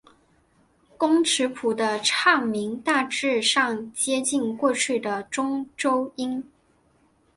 工尺谱的唱名大致上接近过去的中州音。